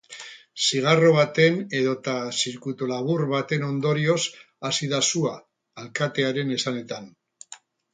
Zigarro baten edota zirkuitulabur baten ondorioz hasi da sua, alkatearen esanetan.